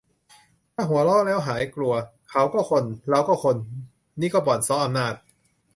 ถ้าหัวเราะแล้วหายกลัว เขาก็คน เราก็คน นี่ก็บ่อนเซาะอำนาจ